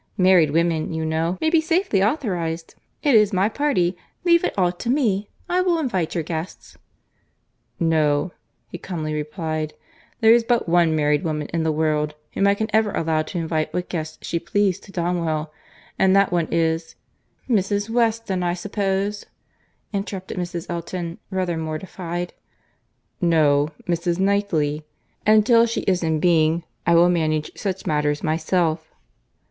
Married women, you know, may be safely authorised. It is my party. Leave it all to me. I will invite your guests." "No,"—he calmly replied,—"there is but one married woman in the world whom I can ever allow to invite what guests she pleases to Donwell, and that one is—" "—Mrs. Weston, I suppose," interrupted Mrs. Elton, rather mortified. "No—Mrs. Knightley;—and till she is in being, I will manage such matters myself."